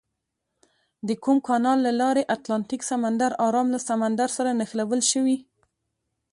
د کوم کانال له لارې اتلانتیک سمندر ارام له سمندر سره نښلول شوي؟